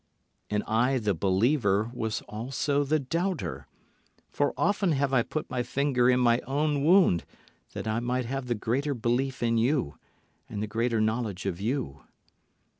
And I the believer was also the doubter; For often have I put my finger in my own wound that I might have the greater belief in you and the greater knowledge of you.